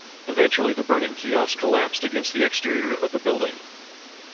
Eventually the burning kiosk collapsed against the exterior of the building.